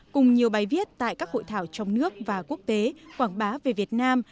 cùng nhiều bài viết tại các hội thảo trong nước và quốc tế quảng bá về việt nam